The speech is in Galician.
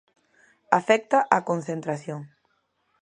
Afecta á concentración.